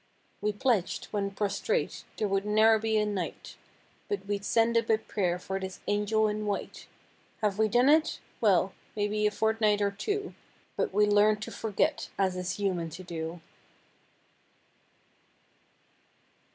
We pledged, when prostrate, there would ne'er be a night But we'd send up a prayer for this "angel in white." Have we done it ? Well, may be a fort night or two. But we learned to forget as is human to do.